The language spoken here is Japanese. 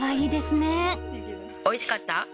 おいしかった？